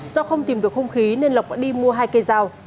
do không tìm được hung khí nên lộc đã đi mua hai cây dao